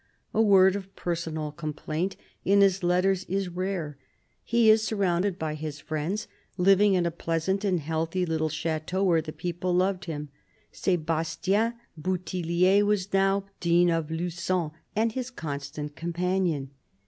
A word of personal complaint in his letters is rare. He was surrounded by his friends, living in a pleasant and healthy little chateau where the people loved him. Sebastien Bouthillier was now Dean of Lugon and his constant companion.